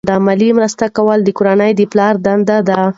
مالی مرسته کول د کورنۍ د پلار دنده ده.